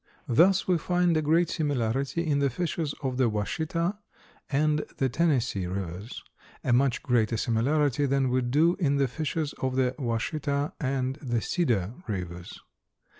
Thus we find a great similarity in the fishes of the Washita and the Tennessee rivers, a much greater similarity than we do in the fishes of the Washita and the Cedar rivers.